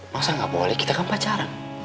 masa nggak boleh kita kan pacaran